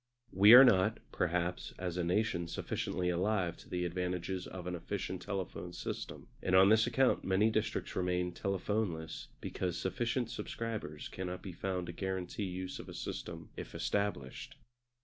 We are not, perhaps, as a nation sufficiently alive to the advantages of an efficient telephone system; and on this account many districts remain telephoneless because sufficient subscribers cannot be found to guarantee use of a system if established.